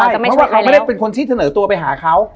เขาไม่ได้เป็นคนที่เถอะเนอตัวไปหาเขา